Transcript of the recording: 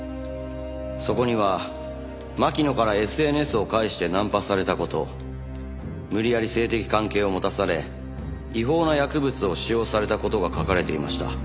そこには巻乃からＳＮＳを介してナンパされた事無理やり性的関係を持たされ違法な薬物を使用された事が書かれていました。